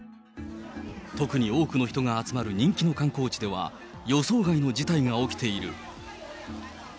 特に多くの人が集まる人気の観光地では、予想外の事態が起きている。